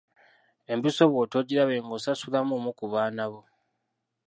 Empiso bw'otoogirabe ng'onsasulamu omu ku baana bo.